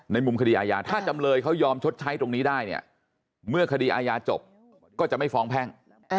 มุมคดีอาญาถ้าจำเลยเขายอมชดใช้ตรงนี้ได้เนี่ยเมื่อคดีอาญาจบก็จะไม่ฟ้องแพ่ง